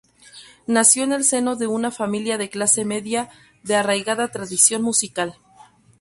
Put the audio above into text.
Nació en el seno de una familia de clase media de arraigada tradición musical.